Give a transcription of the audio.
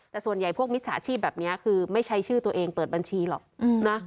แต่ส่วนใหญ่พวกมิจฉาชีพแบบนี้คือไม่ใช้ชื่อตัวเองเปิดบัญชีหรอกนะ